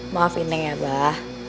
maafin neng abah